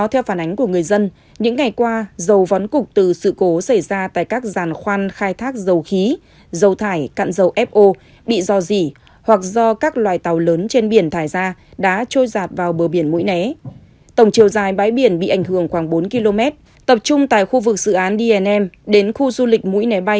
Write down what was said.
tổng chiều dài bãi biển bị ảnh hưởng khoảng bốn km tập trung tại khu vực dự án dnm đến khu du lịch mũi né